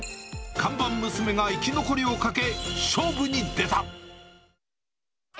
看板娘が生き残りをかけ、勝負に出た！